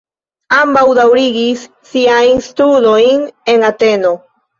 Ambaŭ daŭrigis siajn studojn en Ateno.